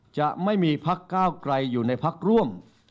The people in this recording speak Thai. จะไม่มีภักดิ์ก้าวไกรอยู่ในภักดิ์ร่วม